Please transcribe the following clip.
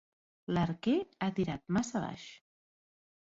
L'arquer ha tirat massa baix.